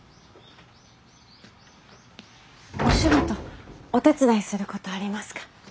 お仕事お手伝いすることありますか？